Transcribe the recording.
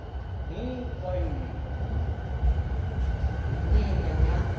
ミーファイユー。